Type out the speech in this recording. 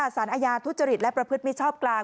สารอายารถู้เจริตและประพฤติไม่ชอบกลาง